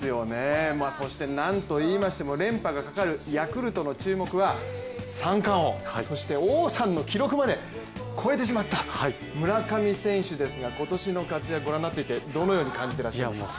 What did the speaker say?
そしてなんといいましても連覇がかかるヤクルトの注目は三冠王、そして王さんの記録まで超えてしまった村上選手ですが、今年の活躍ご覧になっていてどのように感じてらっしゃいますか。